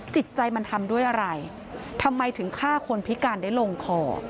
จิตใจมันทำด้วยอะไรทำไมถึงฆ่าคนพิการได้ลงคอ